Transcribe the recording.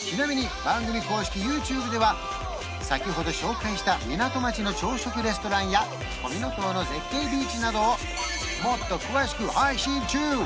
ちなみに番組公式ＹｏｕＴｕｂｅでは先ほど紹介した港町の朝食レストランやコミノ島の絶景ビーチなどをもっと詳しく配信中！